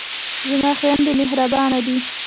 زما خویندې مهربانه دي.